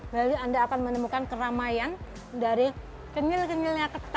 maka anda akan menemukan keramaian dari kenyel kenyelnya ketan ya